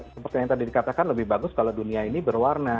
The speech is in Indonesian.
seperti yang tadi dikatakan lebih bagus kalau dunia ini berwarna